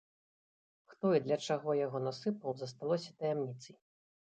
Хто і для чаго яго насыпаў, засталося таямніцай.